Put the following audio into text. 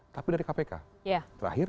tapi dari kpk terakhir